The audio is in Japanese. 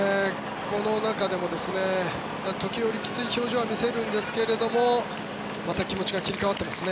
この中でも時折きつい表情は見せるんですがまた気持ちが切り替わっていますね。